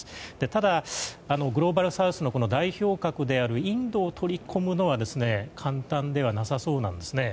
ただ、グローバルサウスの代表格であるインドを取り込むのは簡単ではなさそうなんですね。